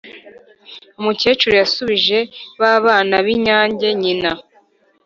umukecuru yasubije ba bana b’inyange nyina.